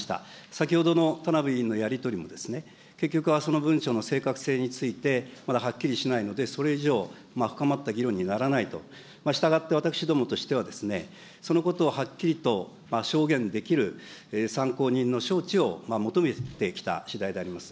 先ほどの田名部委員のやり取りも、結局はその文書の正確性についてまだはっきりしないので、それ以上、深まった議論にならないと、したがって私どもとしては、そのことをはっきりと証言できる参考人の召致を求めてきたしだいであります。